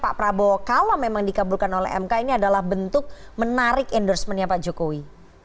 iya apa yang bisa dikatakan pak prabowo kalau memang dikabulkan oleh mk ini adalah bentuk menarik endorsement nya pak jokowi